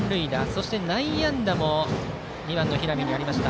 そして内野安打も２番の平見にありました。